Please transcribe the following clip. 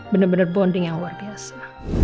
bener bener bonding yang luar biasa